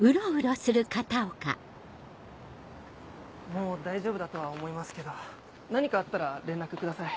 もう大丈夫だとは思いますけど何かあったら連絡ください。